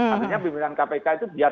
artinya pimpinan kpk itu biasa